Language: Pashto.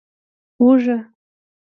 🧄 اوږه